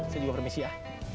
saya juga permisi ya